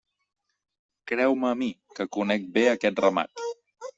Creu-me a mi, que conec bé aquest ramat.